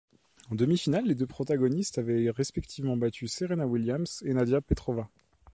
En demi-finale, les deux protagonistes avaient respectivement battu Serena Williams et Nadia Petrova.